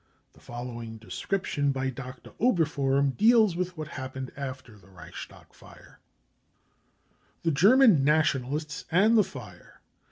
The following description by Dr. Oberfohren deals with what happened after the Reichstag fire. The German Nationalists and the Fire.